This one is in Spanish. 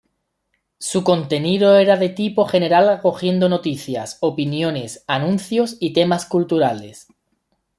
Su contenido era de tipo general acogiendo noticias, opiniones, anuncios y temas culturales.